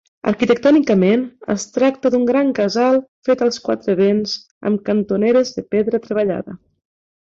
Arquitectònicament es tracta d'un gran casal fet als quatre vents amb cantoneres de pedra treballada.